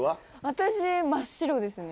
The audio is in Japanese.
私真っ白ですね。